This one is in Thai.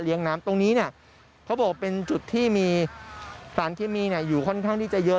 น้ำตรงนี้เนี่ยเขาบอกเป็นจุดที่มีสารเคมีอยู่ค่อนข้างที่จะเยอะ